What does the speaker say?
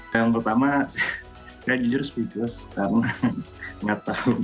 yang pertama ya jujur speechless karena enggak tahu